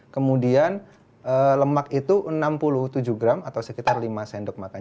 kemudian lemak itu enam puluh tujuh gram atau sekitar lima sendok makan